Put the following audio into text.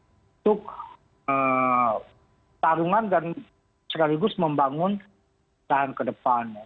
untuk tarungan dan sekaligus membangun tahan ke depannya